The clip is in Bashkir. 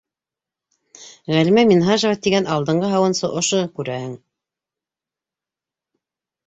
Ғәлимә Минһажева тигән алдынғы һауынсы ошо, күрәһең.